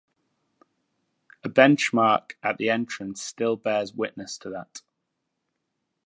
A benchmark at the entrance still bears witness to that.